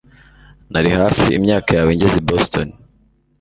Nari hafi imyaka yawe ngeze i Boston